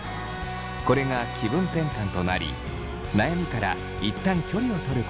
これが気分転換となり悩みから一旦距離をとることにつながりました。